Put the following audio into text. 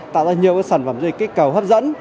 tạo ra nhiều sản phẩm du lịch kích cầu hấp dẫn